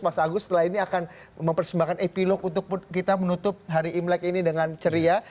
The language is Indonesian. mas agus setelah ini akan mempersembahkan epilog untuk kita menutup hari imlek ini dengan ceria